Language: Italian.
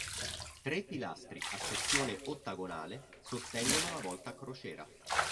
Tre pilastri a sezione ottagonale sostengono la volta a crociera.